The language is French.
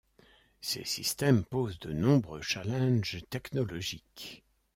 Ces systèmes posent de nombreux challenges technologiques.